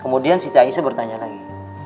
kemudian siti aisyah bertanya lagi